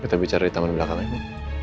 kita bicara di taman belakangnya